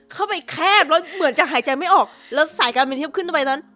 เข้าไปแคบแล้วเหมือนจะหายใจไม่ออกแล้วสายการบินเทียบขึ้นทำไมตอนนั้น